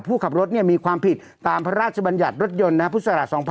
ผู้ขับรถมีความผิดตามพระราชบัญญัติรถยนต์พุทธศาสตร์๒๕๖๒